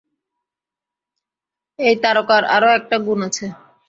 এই তারকার আরও একটা গুণ আছে।